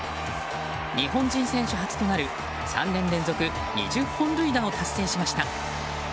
日本人選手初となる３年連続２０本塁打を達成しました。